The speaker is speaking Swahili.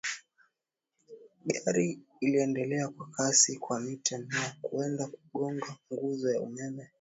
Gari iliendelea kwa kasi kwa mita mia kwenda kugonga nguzo ya umeme